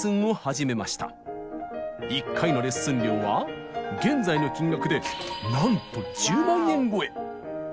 １回のレッスン料は現在の金額でなんと１０万円超え！